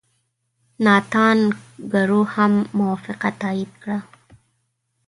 ناتان کرو هم موافقه تایید کړه.